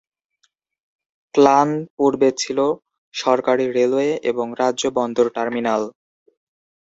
Clan পূর্বে ছিল সরকারি রেলওয়ে এবং রাজ্য বন্দর টার্মিনাল।